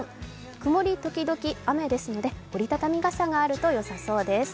曇り時々雨ですので、折りたたみ傘があるとよさそうです。